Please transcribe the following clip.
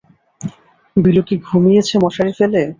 বিলু কি ঘুমিয়েছি মশারি ফেলে?